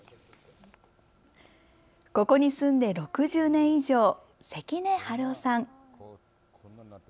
ここに住んで６０年以上関根春夫さん。